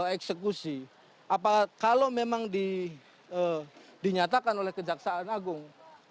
eksekusi kalau memang dinyatakan oleh kejaksaan agung